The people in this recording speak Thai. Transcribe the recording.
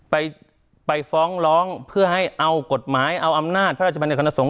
ไปไปฟ้องร้องเพื่อให้เอากฎหมายเอาอำนาจพระราชบัญญคณะสงฆ